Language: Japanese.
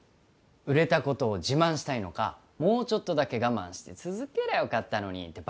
売れたことを自慢したいのかもうちょっとだけ我慢して続けりゃよかったのにって